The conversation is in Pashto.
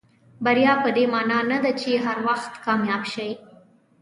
بریا پدې معنا نه ده چې هر وخت کامیاب شئ.